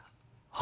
は？